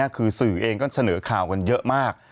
คือสื่อเองก็เสนอข่าวกันเยอะมาก